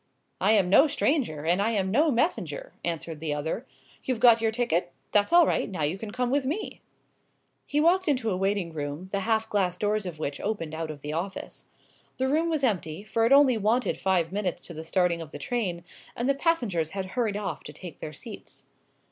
"I am no stranger, and I am no messenger!" answered the other. "You've got your ticket? That's all right! Now you can come with me." He walked into a waiting room, the half glass doors of which opened out of the office. The room was empty, for it only wanted five minutes to the starting of the train, and the passengers had hurried off to take their seats.